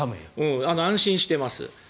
安心してます。